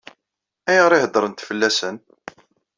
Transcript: Ayɣer i heddṛent fell-asen?